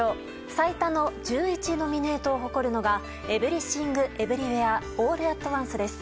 最多の１１のノミネートを誇るのが「エブリシング・エブリウェア・オール・アット・ワンス」です。